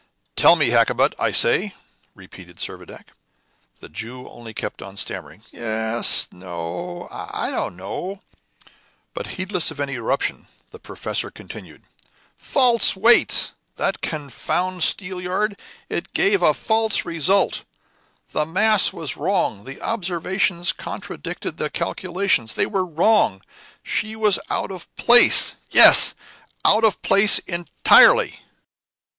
"Tell me, Hakkabut, I say," repeated Servadac. The Jew only kept on stammering, "Yes no I don't know." But heedless of any interruption, the professor continued, "False weights! That confounded steelyard! It gave a false result! The mass was wrong! The observations contradicted the calculations; they were wrong! She was out of place! Yes, out of place entirely."